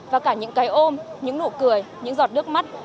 và cả những cái ôm những nụ cười những giọt nước mắt